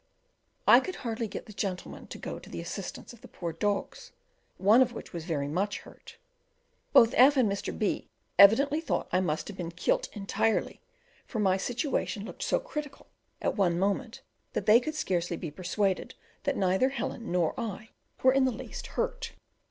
I could hardly get the gentlemen to go to the assistance of the poor dogs, one of which was very much hurt. Both F and Mr. B evidently thought I must have been "kilt intirely," for my situation looked so critical at one moment that they could scarcely be persuaded that neither Helen nor I were in the least hurt.